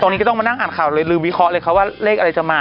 ตอนนี้ก็ต้องมานั่งอ่านข่าวเลยลืมวิเคราะห์เลยค่ะว่าเลขอะไรจะมา